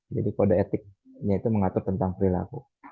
kode etiknya itu mengatur tentang perilaku